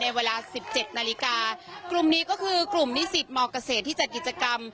ในเวลา๑๗นาฬิกากลุ่มนี้ก็คือกลุ่มนิสิทธิ์มเกษตรที่จัดกิจกรรม